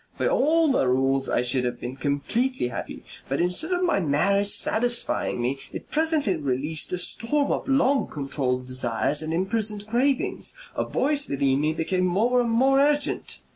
By all the rules I should have been completely happy. But instead of my marriage satisfying me, it presently released a storm of long controlled desires and imprisoned cravings. A voice within me became more and more urgent.